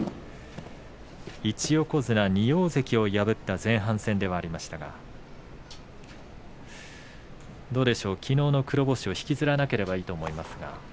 １横綱２大関を破った前半戦ではありましたがどうでしょう、きのうの黒星を引きずらなければいいと思いますが。